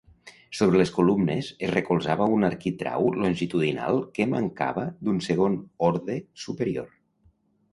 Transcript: Sobre les columnes es recolzava un arquitrau longitudinal que mancava d'un segon orde superior.